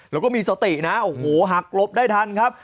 แล้วก็มีสตินะโอ้โหหักหลบได้ทันครับ